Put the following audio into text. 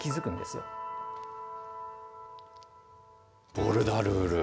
ボルダルール。